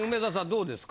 どうですか？